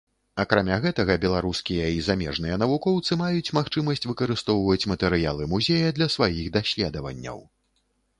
Акрамя гэтага, беларускія і замежныя навукоўцы маюць магчымасць выкарыстоўваць матэрыялы музея для сваіх даследаванняў.